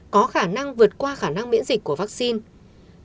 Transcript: có khả năng vượt qua khả năng miễn dịch của vaccine